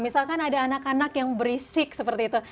misalkan ada anak anak yang berisik seperti itu